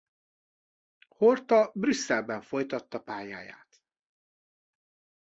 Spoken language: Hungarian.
Horta Brüsszelben folytatta pályáját.